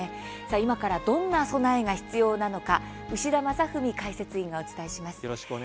今からどんな備えが必要なのか牛田解説委員とお伝えします。